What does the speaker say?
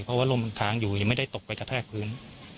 เพราะว่าร่มมันค้างอยู่ยังไม่ได้ตกไปกระแทกพื้น